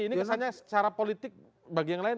ini kesannya secara politik bagi yang lain